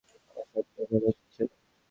তোমার সাহিত্য নিয়ে পড়া উচিৎ ছিল।